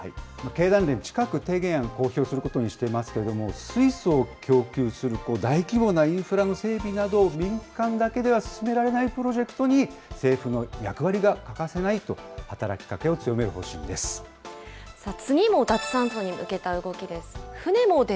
経団連、近く、提言案を公表することにしていますけれども、水素を供給すると大規模なインフラの整備など、民間だけでは進められないプロジェクトに、政府の役割が欠かせないと、働きかけを次も脱炭素に向けた動きです。